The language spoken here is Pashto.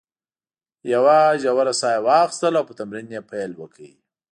یوه ژوره ساه یې واخیستل او په تمرین یې پیل وکړ.